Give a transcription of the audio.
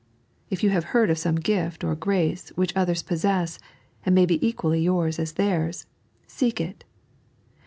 If you have heard of some gift or grace which others possess, and may be equally yours as theirs, seek it.